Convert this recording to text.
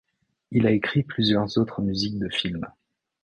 Il a écrit plusieurs autres musiques de films.